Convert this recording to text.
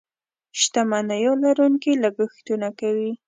شتمنيو لرونکي لګښتونه کوي.